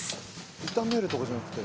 炒めるとかじゃなくて。